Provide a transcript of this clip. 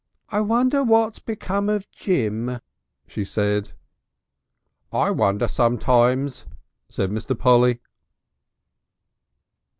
"I wonder what's become of Jim," she said. "I wonder sometimes," said Mr. Polly.